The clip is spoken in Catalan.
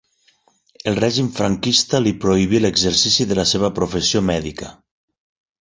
El règim franquista li prohibí l'exercici de la seva professió mèdica.